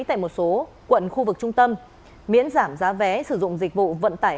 tại một số quận khu vực trung tâm miễn giảm giá vé sử dụng dịch vụ vận tải